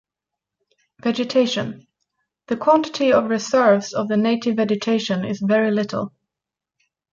Vegetation: The quantity of reserves of the native vegetation is very little.